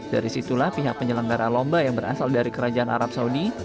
dari situlah pihak penyelenggara lomba yang berasal dari kerajaan arab saudi